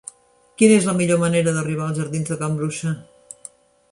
Quina és la millor manera d'arribar als jardins de Can Bruixa?